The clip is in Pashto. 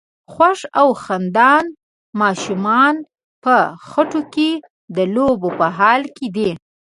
خوښ او خندان ماشومان په خټو کې د لوبو په حال کې دي.